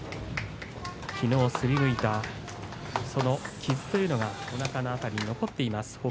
きのうすりむいたその傷というのがおなかの辺りに残っています